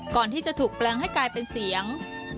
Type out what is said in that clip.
ก่อนที่จะถูกแปลงให้กลายเป็นเสียง